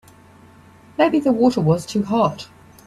Maybe the water was too hot.